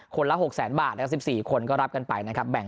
คนละหกแสนบาทและสิบสี่คนก็รับกันไปนะครับแบ่ง